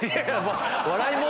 笑いも⁉